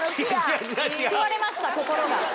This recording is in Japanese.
救われました心が。